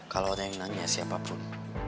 kalau ada yang nanya siapapun